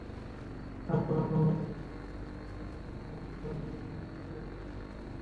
তারপর রাত কোনোমতে কাটে রেস্টুরেন্টের পেছনেই অন্ধকার ঘরে মেঝেতে গাদাগাদি করে।